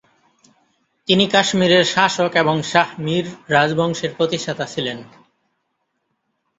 তিনি কাশ্মীরের শাসক এবং শাহ মীর রাজবংশের প্রতিষ্ঠাতা ছিলেন।